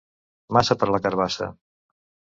Massa per a la carabassa.